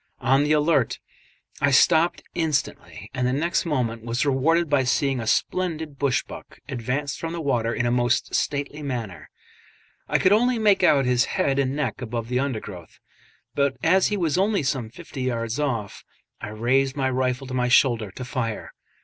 On the alert, I stopped instantly, and the next moment was rewarded by seeing a splendid bush buck advance from the water in a most stately manner. I could only make out his head and neck above the undergrowth, but as he was only some fifty yards off, I raised my rifle to my shoulder to fire.